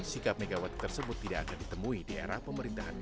sikap megawati tersebut tidak akan ditemui di era pemerintahannya